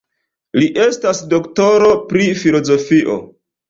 Li estas doktoro pri filozofio.